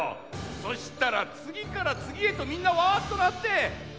そしたら次から次へとみんなわっとなって。